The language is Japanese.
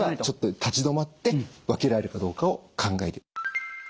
ちょっと立ち止まって分けられるかどうかを考える。